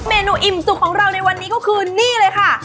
เมนูอิ่มจุกของเราในวันนี้ก็คือนี่เลยค่ะ